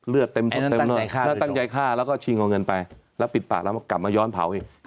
เลือดเต็มเลยแล้วตั้งใจฆ่าแล้วก็ชิงเอาเงินไปแล้วปิดปากแล้วกลับมาย้อนเผาอีก